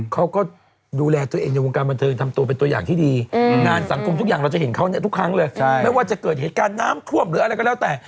ความความขอบคุณได้